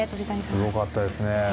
すごかったですね。